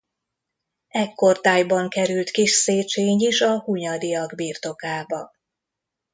Ekkortájban került Kis-Szécsény is a Hunyadiak birtokába.